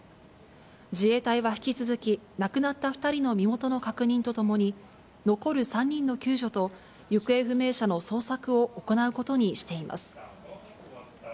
自衛隊は引き続き、亡くなった２人の身元の確認とともに、残る３人の救助と、行方不明者の捜索を行うことにしています。